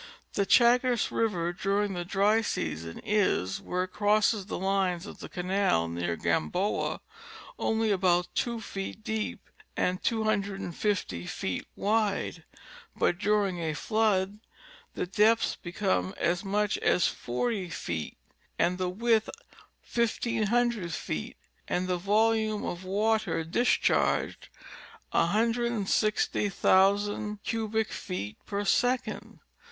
The Chagres river during the dry season is, where it crosses the line of the canal near Gamboa, only about two feet deep and 250 feet wide, but during a flood the depth becomes as much as forty feet, the width 1,500 feet, and the volume of water discharged 160,000 cubic feet per second.